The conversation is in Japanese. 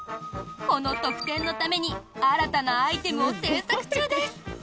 この特典のために新たなアイテムを制作中です。